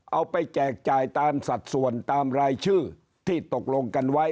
ไปแจกจ่ายตามสัดส่วนตามรายชื่อที่ตกลงกันไว้